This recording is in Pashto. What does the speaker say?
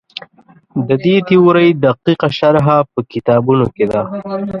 د دې تیورۍ دقیقه شرحه په کتابونو کې ده.